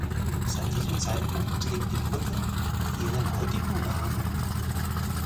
Seit diesem Zeitpunkt trägt die Brücke ihren heutigen Namen.